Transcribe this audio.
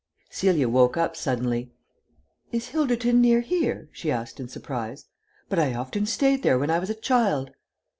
Celia woke up suddenly. "Is Hilderton near here?" she asked in surprise. "But I often stayed there when I was a child."